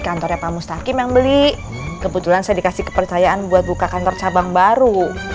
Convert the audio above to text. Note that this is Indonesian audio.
kantornya pak mustakim yang beli kebetulan saya dikasih kepercayaan buat buka kantor cabang baru